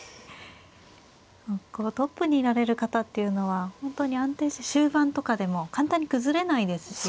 こうトップにいられる方っていうのは本当に安定して終盤とかでも簡単に崩れないですし。